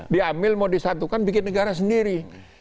diambil mau disatukan bikin negara sendiri